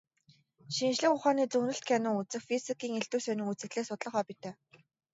Шинжлэх ухааны зөгнөлт кино үзэх, физикийн элдэв сонин үзэгдлийг судлах хоббитой.